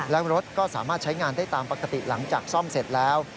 และรถก็สามารถใช้งานได้ตามปกติหลังจากซ่อมเสร็จแล้ว